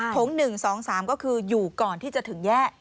ง๑๒๓ก็คืออยู่ก่อนที่จะถึงแยก